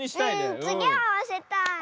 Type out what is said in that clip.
うんつぎあわせたい。